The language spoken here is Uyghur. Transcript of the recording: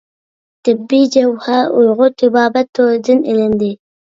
تېببىي جەۋھەر ئۇيغۇر تېبابەت تورىدىن ئېلىندى.